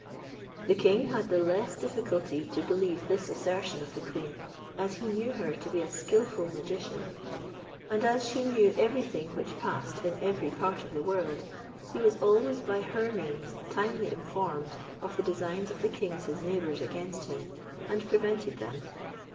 The king had the less difficulty to believe this assertion of the queen, as he knew her to be a skilful magician. And as she knew everything which passed in every part of the world, he was always by her means timely informed of the designs of the kings his neighbours against him, and prevented them.